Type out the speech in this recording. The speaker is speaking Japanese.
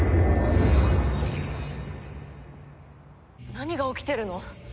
何が起きてるの！？